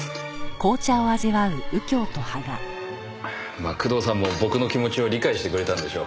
まあ工藤さんも僕の気持ちを理解してくれたんでしょう。